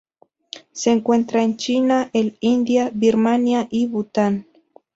Se encuentra en China, el India, Birmania y Bután.